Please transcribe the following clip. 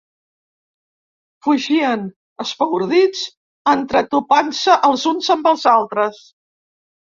Fugien espaordits entretopant-se els uns amb els altres.